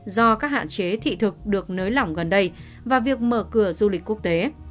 do các hạn chế thị thực được nới lỏng gần đây và việc mở cửa du lịch quốc tế